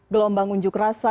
gelombang unjuk rasa ya